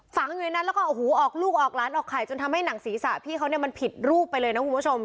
ฝังอยู่ในนั้นแล้วก็โอ้โหออกลูกออกหลานออกไข่จนทำให้หนังศีรษะพี่เขาเนี่ยมันผิดรูปไปเลยนะคุณผู้ชม